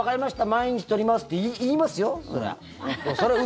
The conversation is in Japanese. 毎日取りますって言いますよそれは。